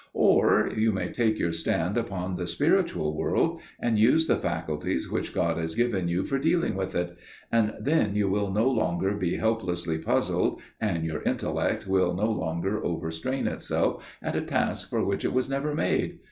"Or you may take your stand upon the spiritual world, and use the faculties which God has given you for dealing with it, and then you will no longer be helplessly puzzled, and your intellect will no longer overstrain itself at a task for which it was never made.